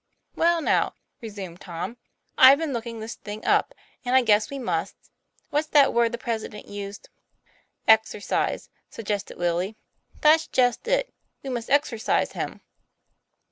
"Well, now," resumed Tom, "'I've been looking this thing up, and I guess we must what's that word the President used ?" "Exercise," suggested Willie. "7'hat's just it; we must exercise him."